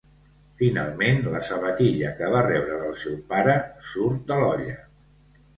Finalment, la sabatilla que va rebre del seu pare surt de l'olla.